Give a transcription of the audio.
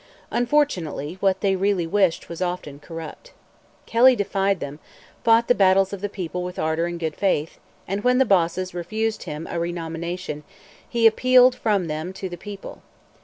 Unfortunately, what they really wished was often corrupt. Kelly defied them, fought the battles of the people with ardor and good faith, and when the bosses refused him a renomination, he appealed from them to the people.